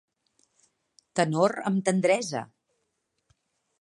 Tenor amb tendresa.